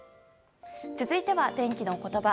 続いては天気のことば。